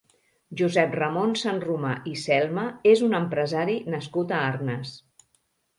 Josep-Ramon Sanromà i Celma és un empresari nascut a Arnes.